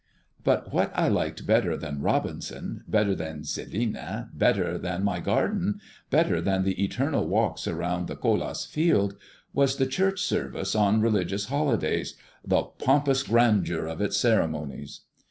But what I liked better than "Robinson," better than "Celina," better than my garden, better than the eternal walks around Colas' field, was the church service on religious holidays, the "pompous grandeur of its ceremonies."